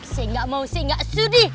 saya gak mau saya gak sudi